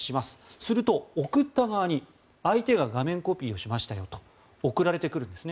すると送った側に相手が画面コピーをしましたと送られてくるんですね。